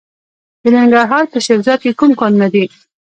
د ننګرهار په شیرزاد کې کوم کانونه دي؟